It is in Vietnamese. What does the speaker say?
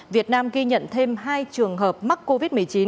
việt nam ghi nhận thêm hai trường hợp mắc covid một mươi chín